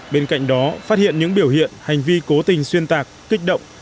bên cạnh đó phát hiện những biểu hiện hành vi cố tình xuyên tạc kích động